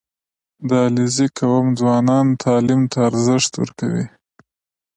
• د علیزي قوم ځوانان تعلیم ته ارزښت ورکوي.